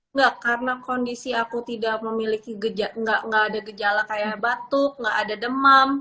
enggak karena kondisi aku tidak memiliki gejala gak ada gejala kayak batuk gak ada demam